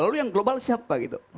lalu yang global siapa gitu